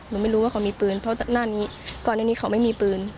ไม่รู้ว่าเขามีปืนเพราะหน้านี้ก่อนอันนี้เขาไม่มีปืน